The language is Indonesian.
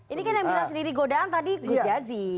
ini kan yang bilang sendiri godaan tadi gus yazi